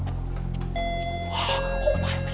ああっお前。